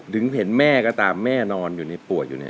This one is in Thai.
ถึงเห็นแม่ก็ตามแม่นอนอยู่ในปวดอยู่เนี่ย